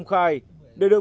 đây là đôi